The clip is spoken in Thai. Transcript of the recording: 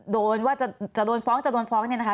ว่าจะโดนฟ้องจะโดนฟ้องเนี่ยนะคะ